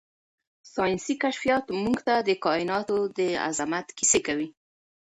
ساینسي کشفیات موږ ته د کائناتو د عظمت کیسې کوي.